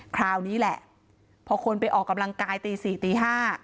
คราวนี้แหละพอคนไปออกกำลังกายตี๔ตี๕